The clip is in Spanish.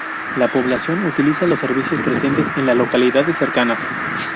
La población utiliza los servicios presentes en las localidades cercanas.